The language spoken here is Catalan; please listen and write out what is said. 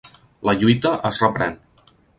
La lluita es reprèn.